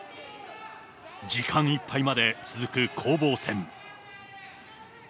時間いっぱいまで続く攻防戦。